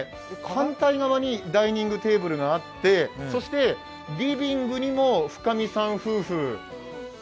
反対側にダイニングテーブルがあってそしてリビングにも深見さん夫婦。